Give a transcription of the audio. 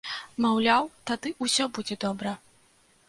Маўляў, тады ўсё будзе добра.